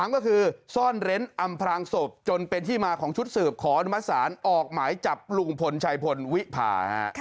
ก็คือซ่อนเร้นอำพลางศพจนเป็นที่มาของชุดสืบขออนุมัติศาลออกหมายจับลุงพลชายพลวิพา